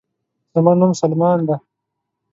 زما نوم سلمان دے